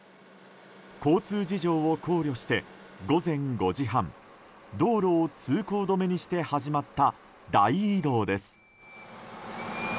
交通事情を考慮して、午前５時半道路を通行止めにして始まった大移動です。